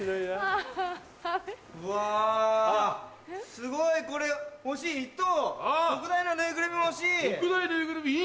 すごいこれ欲しい１等・特大のぬいぐるみ欲しい！